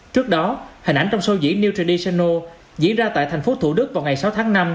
trước đó hình ảnh trong show diễn newtony sano diễn ra tại thành phố thủ đức vào ngày sáu tháng năm